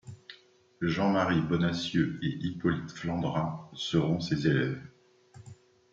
Jean-Marie Bonnassieux et Hippolyte Flandrin seront ses élèves.